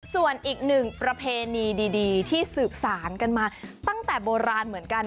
ส่วนอีกหนึ่งประเพณีดีที่สืบสารกันมาตั้งแต่โบราณเหมือนกัน